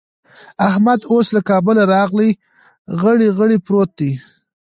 احمد اوس له کابله راغی؛ غړي غړي پروت دی.